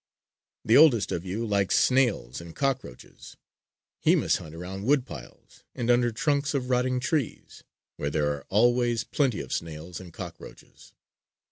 The oldest of you likes snails and cockroaches. He must hunt around woodpiles and under trunks of rotting trees, where there are always plenty of snails and cockroaches.